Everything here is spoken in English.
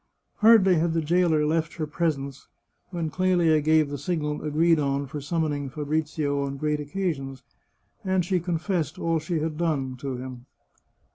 Hardly had the jailer left her presence, when Clelia gave the signal agreed on for summoning Fabrizio on great oc casions, and she confessed all she had done to him.